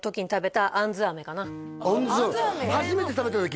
初めて食べた時？